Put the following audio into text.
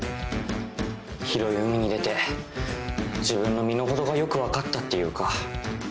広い海に出て自分の身の程がよく分かったっていうか。